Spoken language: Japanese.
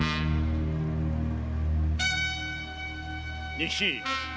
仁吉